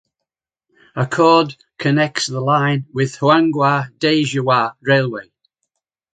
A chord connects the line with the Huanghua–Dajiawa railway.